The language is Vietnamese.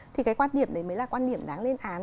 thì cái quan điểm đấy mới là quan điểm đáng lên án